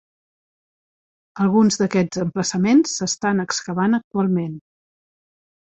Alguns d"aquests emplaçaments s"estan excavant actualment.